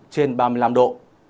trên ba mươi năm độ